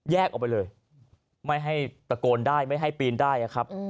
ออกไปเลยไม่ให้ตะโกนได้ไม่ให้ปีนได้นะครับ